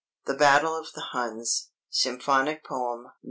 "THE BATTLE OF THE HUNS," SYMPHONIC POEM (No.